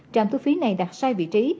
trạm thu phí này đặt sai vị trí